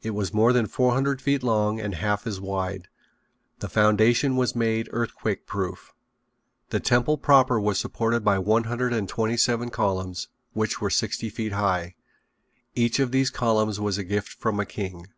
It was more than four hundred feet long and half as wide. The foundation was made earthquake proof. The temple proper was supported by one hundred and twenty seven columns which were sixty feet high. Each of these columns was a gift from a king.